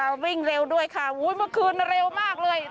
แล้ววิ่งเร็วด้วยค่ะอุ้ยเมื่อคืนเร็วมากเลย